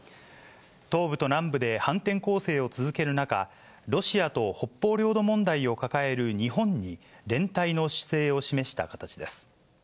東部と南部で反転攻勢を続ける中、ロシアと北方領土問題を抱える日本に、連帯の姿勢を示した形です。